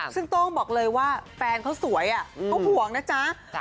ซึ่งโต้งบอกเลยว่าแฟนเขาสวยเขาห่วงนะจ๊ะ